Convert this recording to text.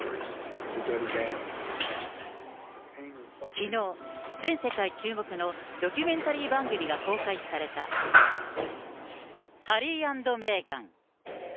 きのう、全世界注目のドキュメンタリー番組が公開された、ハリー＆メーガン。